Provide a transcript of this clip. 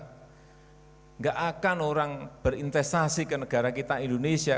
tidak akan orang berinvestasi ke negara kita indonesia